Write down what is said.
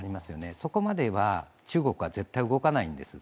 そこまでは中国は絶対動かないんですよ。